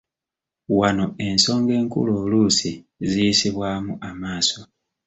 Wano ensonga enkulu oluusi ziyisibwamu amaaso.